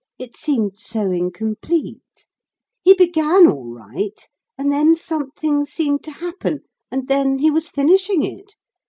It seemed so incomplete. He began all right and then something seemed to happen, and then he was finishing it.